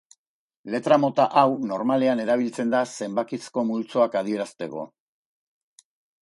Letra mota hau normalean erabiltzen da zenbakizko multzoak adierazteko.